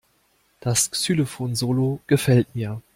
Das Xylophon-Solo gefällt mir.